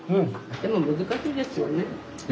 でも難しいですよね。